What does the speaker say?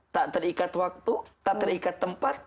tak terikat waktu tak terikat tempat